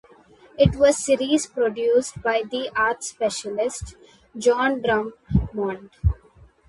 It was series produced by the arts specialist John Drummond.